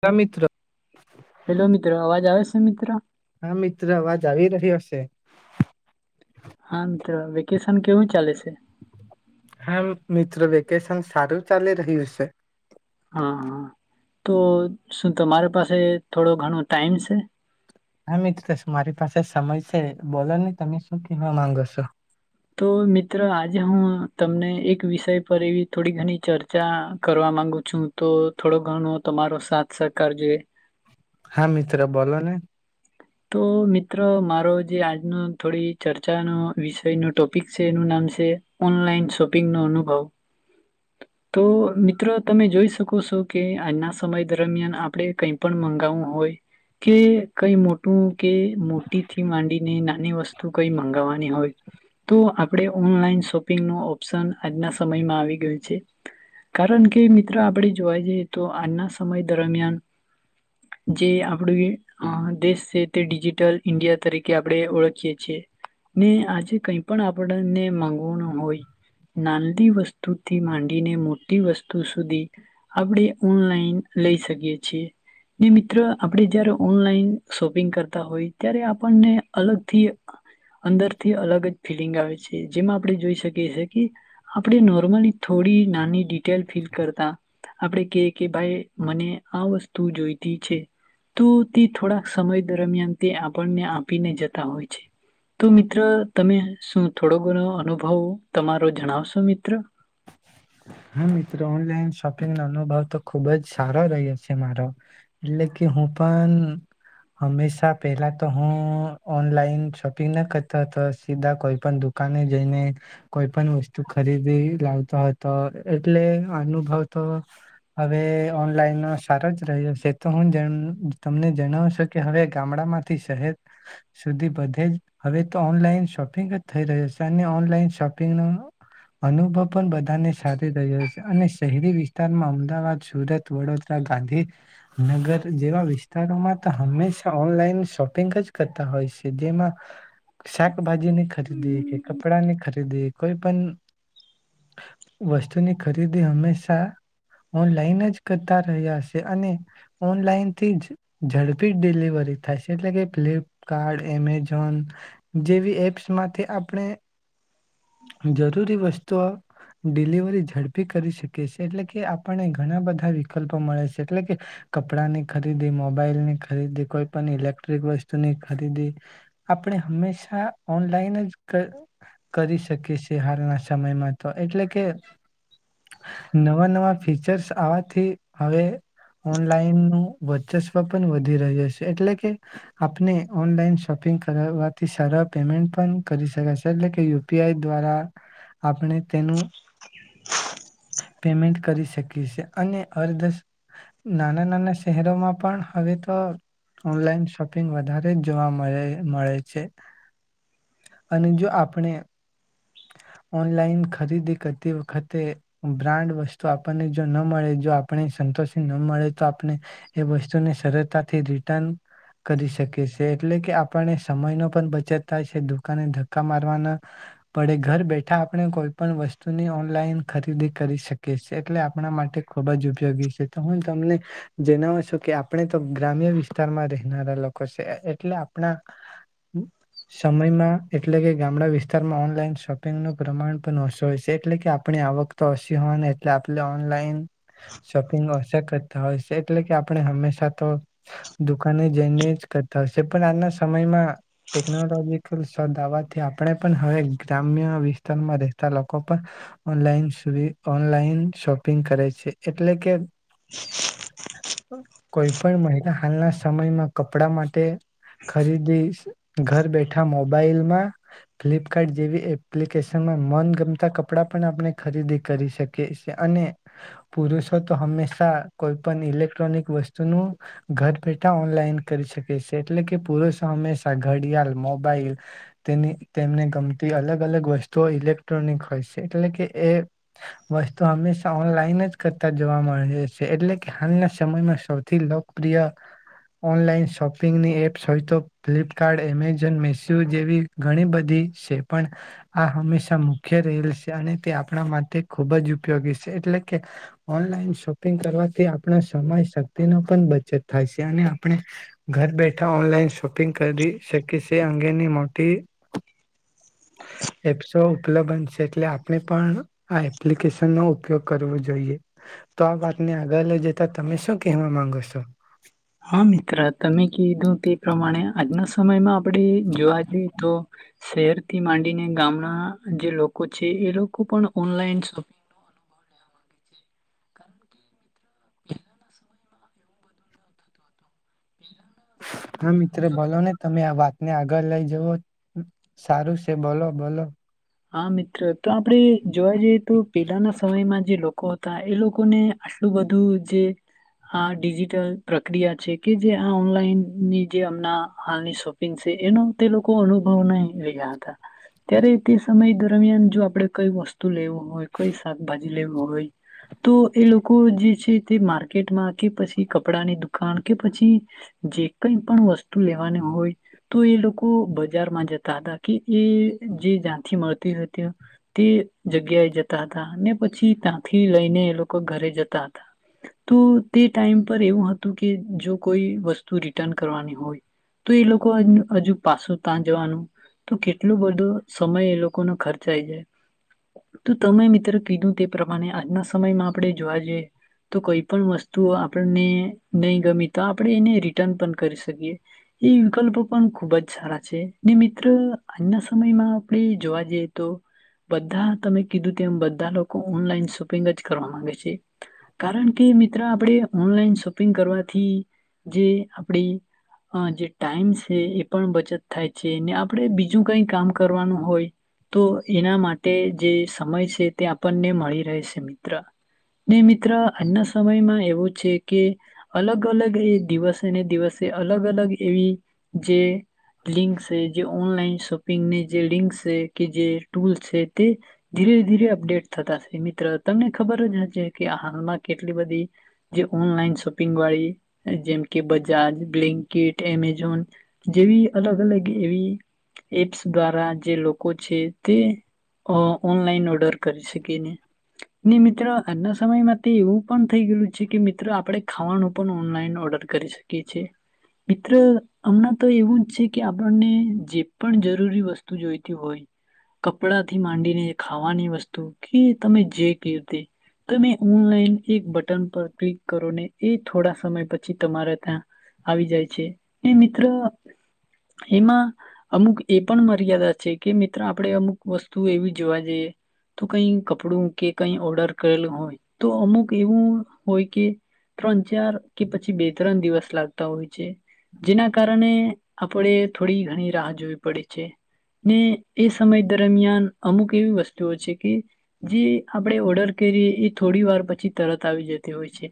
ત મિત્ર હેલો મિત્રો અવાજ આવે છે મિત્રો? હા મિત્ર અવાજ આવી રહ્યો હશે. હા તો વેકેશન કેવું ચાલે છે? હા મિત્રો વેકેશન સારું ચાલી રહ્યું છે. હા હા તો શું તમારી પાસે થોડો ઘણો ટાઈમ છે? હા મિત્ર મારી પાસે સમય છે બોલો નને તમે શું કેવા માંગો છો? તો મિત્ર આજે હું તમને એક વિષય પર એવી થોડી ઘણી ચર્ચા કરવા માંગુ છું તો થોડો ઘણો તમારો સાથ સહકાર જોઈએ. હા મિત્ર બોલો ને. તો મિત્ર મારો જે આજનો થોડી ચર્ચાનો વિષયનો ટોપિક છે એનું નામ છે ઓનલાઈન શોપિંગનો અનુભવ તો મિત્રો તમે જોઈ શકો છો કે આજના સમય દરમિયાન આપણે કઈ પણ મંગાવું હોય કે કઈ મોટ તો કે મોટીથી માંડીને ના ની વસ્તુ કઈ મગાવવાની હોય તો આપણે ઓનલાઈન શોપિંગ ન ઓપ્શન આજના સમયમાં આવી ગયું છે કારણ કે મિત્ર આપણે જોવા જઈએ તો આજના સમય દરમિયાન જે આપડી અ દેશ તે ડિજિટલ ઇન્ડિયા તરીકે આપણે ઓળખીએ છીએ ને આજે કઈ પણ આપણને માંગવાનું હોય નાંદી વસ્તુથી માંડીને મોટી વસ્તુ સુધી આપણે ઓનલાઈન લઈ શકીએ છીએ ને મિત્ર આપણે જયારે ઓનલાઈન શોપિંગ કરતા હોય ત્યારે આપણને અલગથી અંદરથી અલગ જ ફિલિંગ આવે છે જેમાં આપણે જોઈ શકીએ છીએ કે આપણે નોર્મલી થોડી નાની ડિટેલ ફીલ કરતા આપણે ક કે ભાઈ મને આ વસ્તુ જોઈતી છે તો તે થોડા સમય દરમિયાન તે આપણને આપીને જતા હોય છે તો મિત્ર તમે શું થોડો ઘણો અનુભવ તમારો જણાવશો મિત્ર. હા મિત્ર ઓનલાઈન શોપિંગનો અનુભવ તો ખુબ જ સારો રહ્યો છે મારો એટલે કે હું પણ હંમેશા પહેલા તો હું ઓનલાઈન શોપિંગ ના કરતો હતો સીધા કોઈ પણ દુકાને જઈને કોઈ પણ વસ્તુ ખરીદી લાવતો હતો. એટલે અનુભવ તો હવે ઓનલાઈનનો સારો જ રહ્યો છે તો હું જન તમને જણાવ છો કે હવે ગામડામાંથી શહેર સુધી બધે જ હવે તો ઓનલાઈન શોપિંગ જ થઈ રહ્યો છે અને ઓનલાઈન શોપિંગનો અનુભવ પણ બધાને સારા છે અને શહેરી વિસ્તારમાં અમદાવાદ સુરત વડોદરા ગાંધી નગર જેવા વિસ્તારોમાં તો હંમેશા ઓનલાઈન શોપિંગ જ કરતા હોય છે. જેમાં શાકભાજીની ખરીદી કે કપડાની ખરીદી કોઈ પણ વસ્તુની ખરીદી હંમેશા ઓનલાઈન જ કરતા રહ્યા છે અને ઓનલાઈનથી જ ઝડપી ડિલિવરી થાય છે એટલે કે ફ્લિપકાર્ટ એમેઝોન જેવી એપ્સમાંથી આપણે જરૂરી વસ્તુઓ ડિલિવરી ઝડપી કરી શકીએ એટલે કે આપણને ઘણા બધા વિકલ્પો મળે છે એટલે કે કપડાંની ખરીદી, મોબાઈલની ખરીદી, કોઈ પણ ઇલેક્ટ્રિક વસ્તુની ખરીદી આપણે હંમેશા ઓનલાઈન જ કર કરી શકીએ છેએ હાલના સમયમાં તો એટલે કે કે નવા-નવા ફીચર્સ આવવાથી હવે ઓનલાઈનનું વર્ચસ્વ પણ વધી રહ્યું છે એટલે કે આપને ઓનલાઈન શોપિંગ કરવાથી સારા પેમેન્ટ પણ કરી શકે છે એટલે કે યુ પી આઈ દ્વારા આપણે તેનું [inaudible] પેમેન્ટ કરી શકીએ છે અને અર્ધસ નાના-નાના શહેર [unintelligible] હવે ઓનલાઈન શોપિંગ વધારે જોવા મળે મળે છે અને જો આપણે ઓનલાઈન ખરીદી કરતી વખતે બ્રાન્ડ વસ્તુ આપણને જો ન મળે જો આપણે સંતોષ ન મળે તો આપણે એ વસ્તુને સરળતાથી રિટર્ન કરી શકીએ એટલે કે આપણને સમયનો પણ બચત થાય છે દુકાને ધક્કા મારવાના પડે ઘર બેઠા આપણે કોઈ પણ વસ્તુની ઓનલાઈન ખરીદી કરી શકીયે છે એટલે આપણા માટે ખુબ જ ઉપયોગી છે તો હું તમને જણાવું છું કે આપણે તો ગ્રામ્ય વિસ્તારમાં રહેનારા લોકો છે એટલે આપણા સમયમાં એટલે કે ગામડા વિસ્તારમાં ઓનલાઈન શોપિંગનુ પ્રમાણ પણ ઓસુ હોય છે એટલે કે આપણી આવક તો ઓસી હોવા એટલે આપણે ઓનલાઈન શોપિંગ ઓ કરતા હોય છે એટલે કે આપણે હંમેશા તો, દુકા જઈને જ કરતા હોય છે પણ આના સમયમાં ટેકનોલોજીકલ દાવાથી આપણે પણ હવે ગ્રામ્ય વિસ્તારમાં રહેતા લોકો પણ, ઓનલાઇન શોપિંગ કરે છે, એટલે કે [inaudible] કોઈ પણ મહિલા હાલના સમયમાં કપડા માટે ખરીદી ઘર બેઠા મોબાઈલમાં ફ્લિપકાર્ટ જેવી એપ્લિકેશનમાં મનગમતા કપડાં પણ આપણે ખરીદી કરી શકીએ અને, પુરુષો તો હંમેશા કોઈ પણ ઇલેક્ટ્રોનિક વસ્તુનું, ઘર બેઠા ઓનલાઈન કરી શકી એટલે કે પુરુષો હંમેશા, ઘડિયાળ મોબાઈલ તેની તેમને ગમતી અલગ અલગ વસ્તુઓ ઇલેક્ટ્રોનિક હોય છે એટલે કે એ, વસ્તુ હંમેશા ઓનલાઈન જ કરતા જોવા મળે છે એટલે કે હાલના સમયમાં સૌથી લોકપ્રિય, ઓનલાઈન શોપિંગની એપ્સ હોય તો ફ્લિપકાર્ટ એમેઝોન મસ્યુ જેવી ઘણી બધી પણ આ હંમેશા મુખ્ય રહેલ છે અને તે આપણા માટે ખૂબ જ ઉપયોગી છે એટલે કે, ઓનલાઈન શોપિંગ કરવાથી આપણા સમય શક્તિનો પણ બચત થાય છે અને આપણે ઘર બેઠા ઓનલાઈન શોપિંગ કરી શકી છે, અંગેની મોટી એપ્સો ઉપલબ્ધન છે એટલે આપણે પણ આ એપ્લિકેશન નો ઉપયોગ કરવો જોઈએ, તો આ વાતને આગળ લઈ જતા તમે શું કહેવા માંગો છો? હા મિત્ર તમે કીધું તે પ્રમાણે આજના સમયમાં આપે જોવા જઈએ તો શહેરથી માંડીને ગામના જે લોકો છે એ લોકો પણ ઓનલાઈન શોપિંગ અનુ [inaudible] હા મિત્ર બોલો ને તમે આ વાત ને આગળ લઈ જવો સારું છે બોલો બોલો હા મિત્ર તો આપણે જોવા જઈએ તો પેલાના સમયમાં જે હતા એ લોકોને આટલું બધું જે આ ડિજિટલ પ્રક્રિયા છે કે જે આ ઓનલાઈનની જે અમના હાલની શોપિંગ છે એનો તે લોકો અનુભવ ન રહ્યા હતા ત્યારે તે સમય દરમિયાન જો આપડે કઈ વસ્તુ લેવું હોર કોઈ શાકભાજી [unintelligible] લેવ હોય તો એ લોકો જે છે તે માર્કેટમાં કે પછી કપડાની દુકાન કે પછી જે કઈ પણ વસ્તુ લેવાની હોય તો એ લોકો બજારમાં જતા હતા કે એ જે જા મળતી હતી તે જગ્યાએ જતા હતા ને પછી ત્યાંથી લઈને એ લોકો ઘરે જતા હતા તો તે ટાઈમ પર એવું હતું કે જો કોઈ વસ્તુ રિટર્ન કરવાની હોય તો એ લોકો હજુ પાછું ત્યાં જવાનું તો કેટલો બધો સમય એ લોકોનો ખર્ચાય જાય તો તમે મિત્ર કીધું તે પ્રમાણે આજના સમયમાં આપણે જોવા જઈએ તો કોઈ પણ વસ્તુ આપણને નહી ગમી તો આપણે એને રિટર્ન પણ કરી શકીએ એ વિકલ્પો પણ ખૂબ જ સારા છે ને મિત્ર આજના સમયમાં આપણે જોવા જઈએ તો બધા તમે કીધું તેમ એ બધા લોકો ઓનલાઈન શોપિંગ જ કરવા માંગે છે કારણ કે મિત્ર આપણે ઓનલાઈન શોપિંગ કરવાથી જે આપડી જે ટાઈમ છે એ પણ બચત થાય છે આપણે બીજું કઈ કામ કરવાનું હોય તો એના માટે જે સમય છે તે આપણને મળી રહે છે મિત્ર ને મિત્ર આજના સમયમાં એવું છે કે અલગ અલગ એ દિવસે ને દિવસે અલગ અલગ એવી જે લિંક છે જે ઓનલાઈન શોપિંગને જે રિન્ંગ્સ. તેી ધી અપડેટ થતા મિત્ર તમને ખબર જ હશે કે હાલમાં કેટલી બધી જે ઓનલાઈન શોપિંગ વાળી જેમ કે બજાજ બ્લેન્કેટ એમેઝોન જેવી અલગ અલગ એ એપ્સ દ્વારા જે. ઓનલાઈન ઓર્ડર કરી શકી ને મિત્ર આજના સમયમાં એવું પણ થઈ ગયેલું છે કે મિત્ર આપણે ખાવાનું પણ ઓનલાઈન ઓર્ડર કરી શકી છે મિત્ર હમણાં તો એવું જ છે કે આપણને જે પણ જરૂરી વસ્તુ જોઈ. થી માંડીને ખાવાની વસ્તુ કે તમે જે ક રતે તમે ઓનલાઈન એક બટન પર ક્લિક કરો ને એ થોડા સમય પછી તમારા ત્યાં આવી જાય છે મિત્ર એમાં અમુક એ પણ મર્યાદા છે. કે મિત્ર આપણે અમુક વસ્તુ. તું એવી જોવા જઈએ. તો કઈ કપડું કે કઈ ઓર્ડર કરેલું હોય તો અમુક એવું હોય કે ત. ચાર કે પછી બે ત્રણ દિવસ લાગતા હોય છે જેના કારણે. આપડે થોડી ઘણી રાહ જોવી પડે છે. ને એ સમય દરમિયાન અમુક એવી વસ્તુઓ છે કે જે આપણે ઓર્ડર કરીએ એ થોડી વાર પછી તરત આવી જતી હોય છે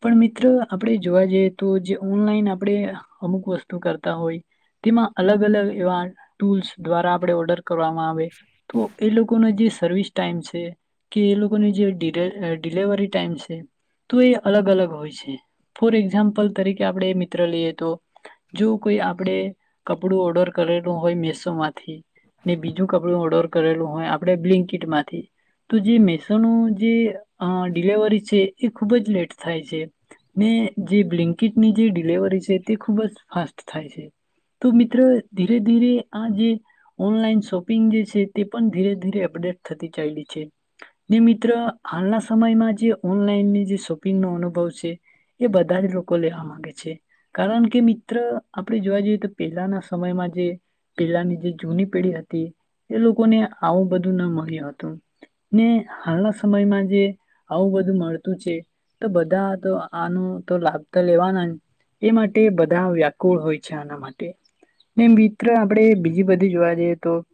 પણ મિત્ર આપણે જોવા જઈએ તો જે ઓનલાઈન આપણે અમુક વસ્તુ કરતા હોય તેમાં અલગ અલગ એવા ટૂલ્સ. દ્વારા આપડે ઓર્ડર કરવામાં આવે તો એ લોકોને જે. સર્વિસ ટાઈઇમ છે કે એ લોકોની જેલે ડિલેવરી ટાઈમ છે તો એ અલગ અલગ હોય છે ફોર એક્ઝામ્પલ તરીકે આપણે મિત્ર લઈએ તો જો કોઈ આપણે કપડું ઓર્ડર કરેલું હોય મેસોમાં. ને બીજું કપડું ઓર્ડર. કરેલું હોય આપણે બ્લિન્કીટમાંથી તો જે મેસોનું જે ડિલેવરી છે એ ખૂબ જ લેટ થાય છે ને જે બ્લિન્કટની જે ડિલેવરી છે તે ખૂબ જ ફાસ્ટ થાય છે તો મિત્રો ધીરે ધીરે આ જે. ઓનલાઈન શોપિંગ જે છે તે પણ ધીરે ધીરે અપડેટ થતી ચાલલી છે મિત્ર હાલના સમયમાં જે ઓનલાઈનની જે શોપિંગનોો અનુભવ છે એ બધા જ લોકો લેવા માંગે છે કારણ કે મિત્ર આપણે જોવા જઈએ તો પહેલાના સમયમાં જે પેલાની જે. જૂની પેઢી હતી એ લોકોને આવું બધું ના મળ્યું હતું ને હાલના સમયમાં જે આવું બધું મળતું છે તો બધા તો આનો તો લાભ તો લેવાના જ એ માટે બધા વ્યાકુળ હોય છે આના માટે ને મિત્ર આપણે બીજી. બીજવારી. તો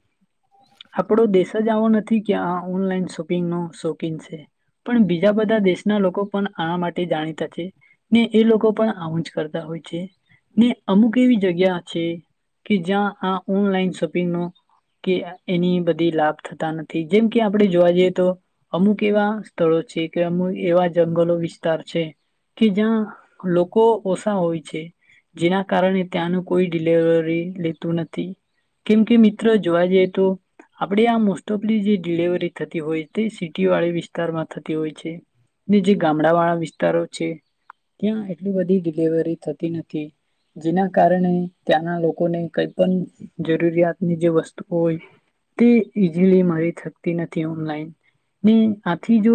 આપડો દેશ જ આવો નથી. કે આ ઓનલાઈન શોપિંગ ન શોકીન છે પણ બીજા બધા દેશના લોકો પણ આ માટે જાણીતા છે ને એ લોકો પણ આવું જ કરતા હોય છે ને અમુક એવી જગ્યા છે કે જ્યાં આ ઓનલાઈન. પિંગ ન કે એની બધી લાભ થતા નથી જેમ કે આપણે જોવા જઈએ તો અમુક એવા સ્થળો છે કે અમુક એવા જંગલો વિસ્તાર છે કે જ્યાં. લોકો ઓછા હોય છે. જેના કારણે ત્યાંનું કોઈ ડિલિવરી લેતું નથી. કેમ કે મિત્ર જોવા જઈએ તો આપણે આ મોસ્ટ ઓફલી જે ડિલેવરી થતી હોય તે સિટીવાળી વિસ્તારમાં થતી હોય છે ને જે ગામડા વાળા વિસ્તારો છે ત્યાં એટલી બધી ડડીલેવરી થતી નથી જેના કારણે ત્યાંના લોકોને કંઈ પણ જરૂ. જરૂરિયાતની જે વસ્તુ. તો હોય તે. ઈઝીલી મારી શકતી નથી ઓનલાઈન ને આથી જો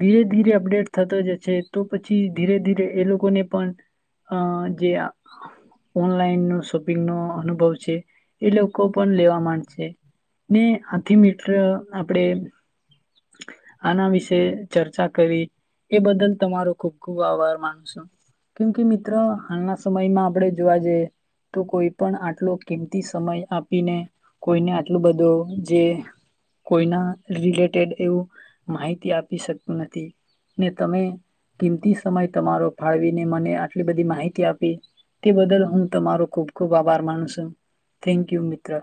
ધીરે ધીરે અપડેટ થતો જશે તો પછી ધીરે ધીરે એ લોકોને પણ અ જે ઓનલાઈનનો શોપિંગનોો અનુભવ છે. એ લોકો પણ લેવા માંડ છે ને આથી મિત્ર આપણેે આના વિશે ચર્ચા કરી એ બદલ તમારો ખૂબ ખૂબ આભાર માનું છું કેમ કે મિત્ર હાલના સમયમાં આપણે જોવા જઈએ. તો કોઈ પણ આટલો. કીમતી સ સમય આપીને, કોઈને આટલુ બધો જે કોઈના રિલેટેડ એવું માહિતી આપી શકતું નથી, ને તમે કિંમતી સમય તમારો ફાળવીને મને આટલી બધી માહિતી આપી તે બદલ હું તમારો ખૂબ ખૂબ આભાર માનું છું. થેન્ક યુ મિત્ર.